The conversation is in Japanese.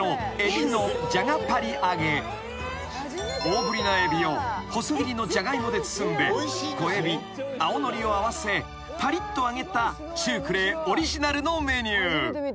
［大ぶりなエビを細切りのジャガイモで包んで小エビ青のりを合わせぱりっと揚げたシュークレーオリジナルのメニュー］